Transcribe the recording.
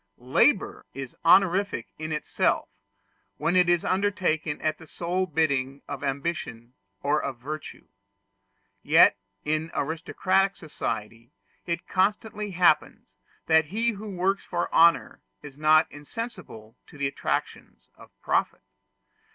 Labor is honorific in itself, when it is undertaken at the sole bidding of ambition or of virtue. Yet in aristocratic society it constantly happens that he who works for honor is not insensible to the attractions of profit.